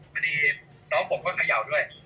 พอดีน้องผมก็เขย่าด้วย